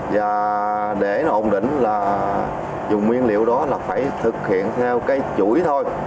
và để nó ổn định là dùng nguyên liệu đó là phải thực hiện theo cái chuỗi thôi